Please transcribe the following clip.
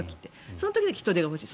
その時は人手が欲しい。